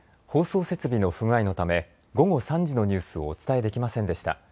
放送設備の不具合のため午後３時のニュースをお伝えできませんでした。